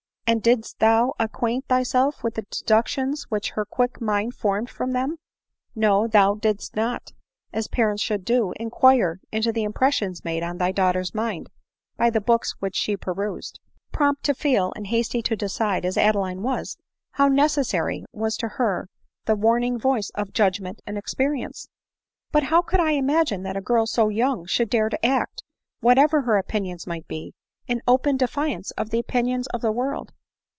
and didst thou acquaint thyself with the deductions which her quick mind formed from them ? No, thou didst not, as parents should do, inquire into the impressions made on thy daughter's mind by the books which she perused. Prompt * to feel, and hasty to' decide, as Adeline was, how necessary was to her the warning voice of judgment and experience ?"" But how could I imagine that a girl so young should dare to act, whatever her opinions might be, in open de fiance of the opinions of the world